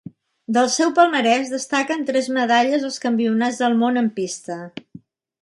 Del seu palmarès destaquen tres medalles als Campionats del Món en pista.